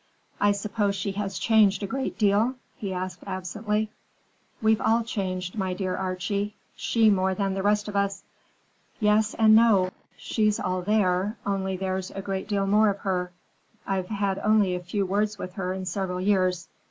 "I suppose she has changed a great deal?" he asked absently. "We've all changed, my dear Archie,—she more than most of us. Yes, and no. She's all there, only there's a great deal more of her. I've had only a few words with her in several years.